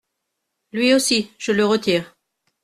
Lui aussi, je le retire.